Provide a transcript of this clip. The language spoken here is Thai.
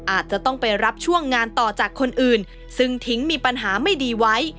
อาจจะต้องไปรับช่วงงานต่อจากคนอื่นซึ่งทิ้งมีปัญหาไม่ดีไว้